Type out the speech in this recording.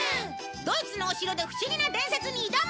ドイツのお城で不思議な伝説に挑む！